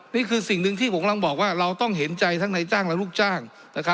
นี่คือสิ่งหนึ่งที่ผมกำลังบอกว่าเราต้องเห็นใจทั้งในจ้างและลูกจ้าง